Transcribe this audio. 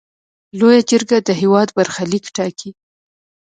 لویه جرګه د هیواد برخلیک ټاکي.